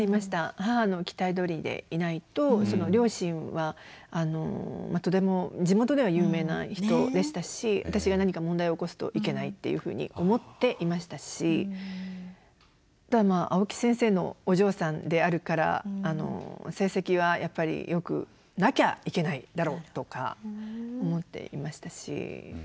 母の期待どおりでいないと両親はとても地元では有名な人でしたし私が何か問題を起こすといけないっていうふうに思っていましたしあとは青木先生のお嬢さんであるから成績はやっぱりよくなきゃいけないだろうとか思っていましたし。